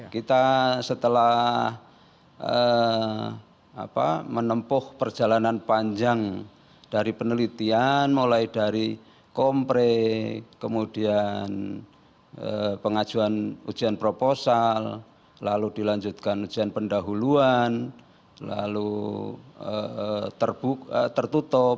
kita setelah menempuh perjalanan panjang dari penelitian mulai dari kompre kemudian pengajuan ujian proposal lalu dilanjutkan ujian pendahuluan lalu tertutup